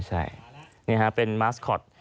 ใช่นี่ฮะเป็นมาสคอต